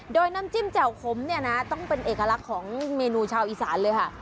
โดยน้ำจิ้มแจ่วขมเนี่ยนะต้องเป็นเอกลักษณ์ของเมนูชาวอีสานเลยค่ะ